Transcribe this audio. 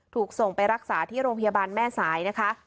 ถูกส่งไปรักษาที่โรงพยาบาลแม่สายนะคะ